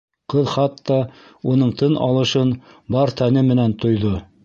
Ҡыҙ хатта уның тын алышын бар тәне менән тойҙо.